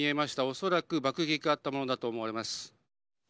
恐らく、爆撃があったものだと思われます。